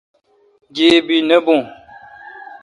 گیبی نہ بون۔